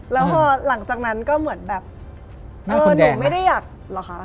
แล้วพอหลังจากนั้นก็เหมือนแบบเออหนูไม่ได้อยากเหรอคะ